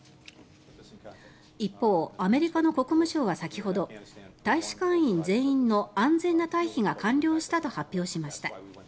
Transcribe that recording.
一方、アメリカの国務省は先ほど大使館員全員の安全な退避が完了したと発表しました。